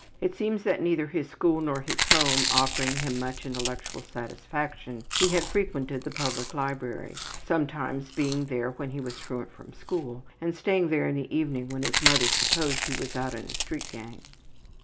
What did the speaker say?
It seems that neither his school nor his home offering him much intellectual satisfaction, he had frequented the public library, sometimes being there when he was truant from school, and staying there in the evening when his mother supposed he was out in a street gang.